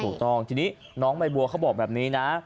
ถูกต้องทีนี้น้องใบบัวเขาบอกแบบนี้นะ